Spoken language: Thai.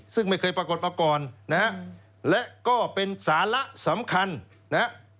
ซึ่งไม่เคยปรากฏมาก่อนนะฮะและก็เป็นสาระสำคัญนะฮะ